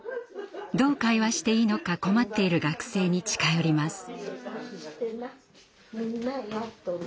どう会話していいのか困っている学生に近寄ります。